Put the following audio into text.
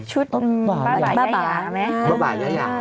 ชุดบ้าบ่ายอย่างไหมครับใช่ไหมครับบ้าบ่ายอย่าง